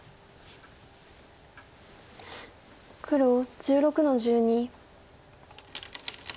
黒１６の十二。